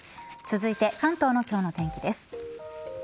続いて関東の今日の天気です。